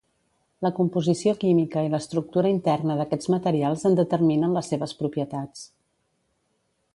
La composició química i l'estructura interna d'aquests materials en determinen les seves propietats.